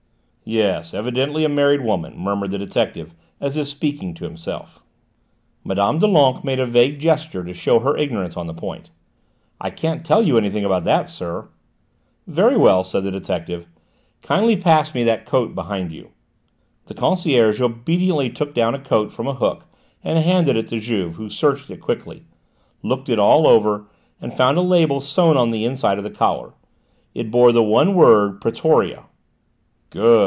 "Yes: evidently a married woman," murmured the detective as if speaking to himself. Mme. Doulenques made a vague gesture to show her ignorance on the point. "I can't tell you anything about that, sir." "Very well," said the detective; "kindly pass me that coat behind you." The concierge obediently took down a coat from a hook and handed it to Juve who searched it quickly, looked it all over and then found a label sewn on the inside of the collar: it bore the one word Pretoria. "Good!"